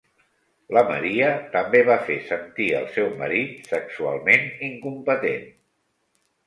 La Maria també va fer sentir el seu marit sexualment incompetent.